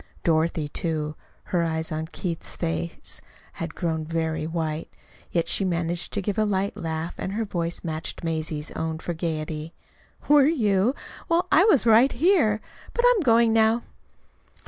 Dorothy, too, her eyes on Keith's face, had grown very white; yet she managed to give a light laugh, and her voice matched Mazie's own for gayety. "Were you? Well, I was right here. But I'm going now."